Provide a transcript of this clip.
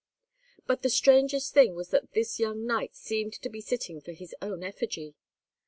But the strangest thing was that this young knight seemed to be sitting for his own effigy.